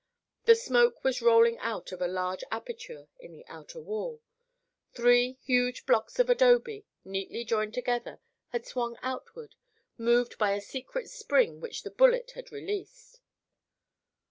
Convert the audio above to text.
The smoke was rolling out of a large aperture in the outer wall. Three huge blocks of adobe, neatly joined together, had swung outward, moved by a secret spring which the bullet had released.